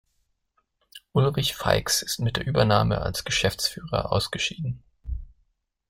Ulrich Feix ist mit der Übernahme als Geschäftsführer ausgeschieden.